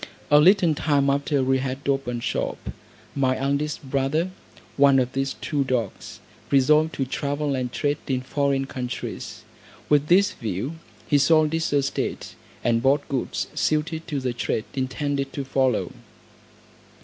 A little time after we had opened shop, my eldest brother, one of these two dogs, resolved to travel and trade in foreign countries. With this view, he sold his estate, and bought goods suited to the trade intended to follow.